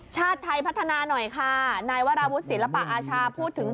ชาติไทยพัฒนาหน่อยค่ะนายวราวุฒิศิลปะอาชาพูดถึง